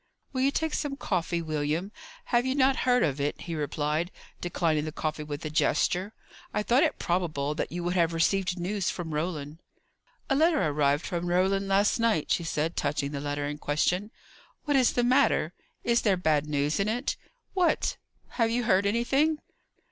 "Will you take some coffee, William?" "Have you not heard of it?" he replied, declining the coffee with a gesture. "I thought it probable that you would have received news from Roland." "A letter arrived from Roland last night," she said, touching the letter in question. "What is the matter? Is there bad news in it? What! have you heard anything?"